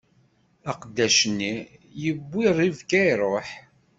Aqeddac-nni yewwi Ribka, iṛuḥ.